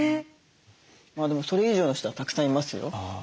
でもそれ以上の人はたくさんいますよ。